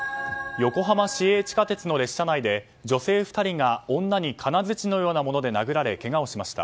横浜市営地下鉄の列車内で女性２人が女に金づちのようなもので殴られ、けがをしました。